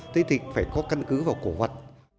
thế thì phải có căn cứ vào cổ vật